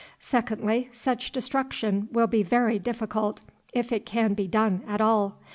Secondly, such destruction will be very difficult, if it can be done at all.